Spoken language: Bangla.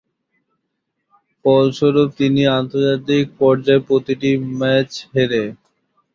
ফলস্বরূপ, তিনি আন্তর্জাতিক পর্যায়ে প্রতিটি ম্যাচ হেরে।